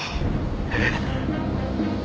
えっ！？